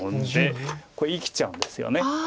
これ生きちゃうんですよね。